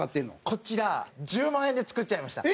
こちら１０万円で作っちゃいました。